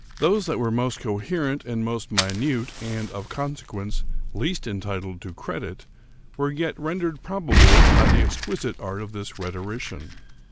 Those that were m.ost coherent and most minute, and, of consequence, least entitled to credit, were yet rendered probable by the exquisite art of this rhetorician.